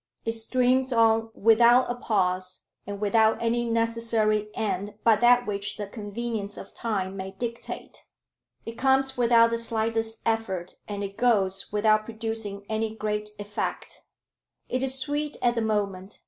It streams on without a pause, and without any necessary end but that which the convenience of time may dictate. It comes without the slightest effort, and it goes without producing any great effect. It is sweet at the moment.